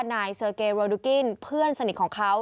นายเซอร์เกโรดุกินเพื่อนสนิทของเขา